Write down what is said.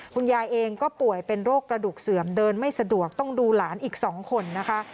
คุณยายเองก็ป่วยเป็นโรคกระดูกเสื่อมเดินไม่สะดวกต้องดูหลานอีก๒คนนะคะ